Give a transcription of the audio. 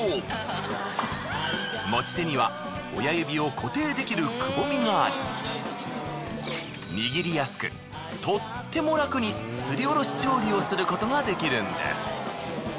持ち手には親指を固定できるくぼみがあり握りやすくとっても楽にすりおろし調理をすることができるんです。